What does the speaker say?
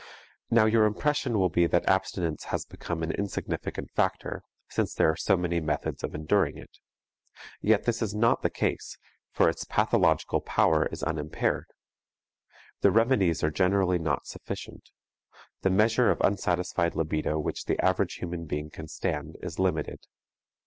Now your impression will be that abstinence has become an insignificant factor, since there are so many methods of enduring it. Yet this is not the case, for its pathological power is unimpaired. The remedies are generally not sufficient. The measure of unsatisfied libido which the average human being can stand is limited.